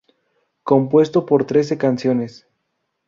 Compuesto por trece canciones.